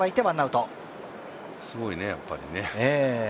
すごいね、やっぱりね。